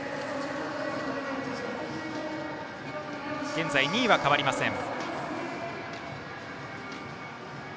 現在２位は変わりません。